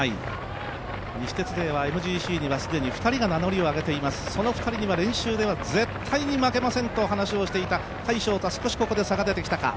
西鉄ではＭＧＣでは既に２人が名乗りを上げています、その２人に練習では絶対に負けませんと話をしていた甲斐翔太、少し差が出てきたか。